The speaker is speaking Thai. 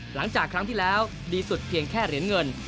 หลังจากครั้งที่แล้วดีสุดเพียงแค่เหรียญเงิน